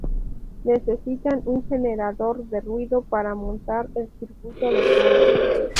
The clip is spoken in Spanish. Necesitan un generador de ruido para montar el circuito de prueba.